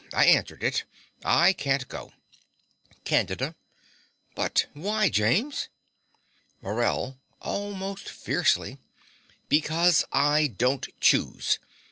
I answered it. I can't go. CANDIDA. But why, James? MORELL (almost fiercely). Because I don't choose.